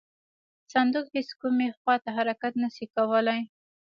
صندوق هیڅ کومې خواته حرکت نه شي کولی.